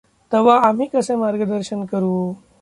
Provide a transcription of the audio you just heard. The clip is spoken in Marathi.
तवा आम्ही कसे मार्गदर्शन करू?